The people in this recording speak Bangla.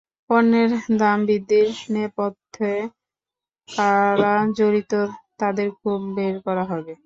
পণ্যের দাম বৃদ্ধির নেপথ্যে কারা জড়িত, তাদের খুঁজে বের করা হবে।